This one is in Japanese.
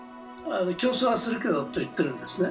競争はするけどと言っているんですね。